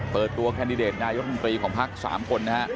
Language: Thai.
เปิดตัวคันดีเดตอายุทธมนตรีของภาค๓คน